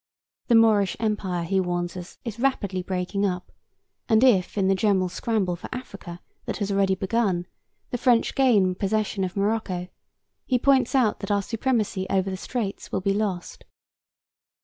The Moorish Empire, he warns us, is rapidly breaking up, and if in the 'general scramble for Africa' that has already begun, the French gain possession of Morocco, he points out that our supremacy over the Straits will be lost.